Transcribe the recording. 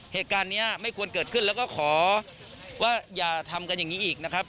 เหตุการณ์นี้ไม่ควรเกิดขึ้นแล้วก็ขอว่าอย่าทำกันอย่างนี้อีกนะครับ